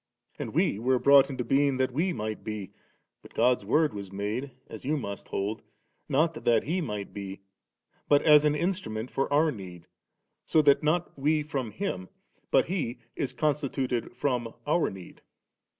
And we were brought into being that we might be ; but God's Word was made, as you must hold, not that He might be '; but as an instrument * for our need, so that not we from Him, but He is constituted from our need.